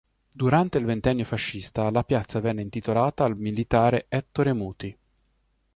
Durante il ventennio fascista la piazza venne intitolata al militare Ettore Muti.